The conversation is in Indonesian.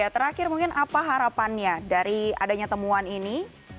terakhir mungkin apa harapannya dari adanya temuan ini